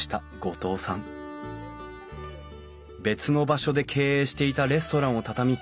別の場所で経営していたレストランを畳み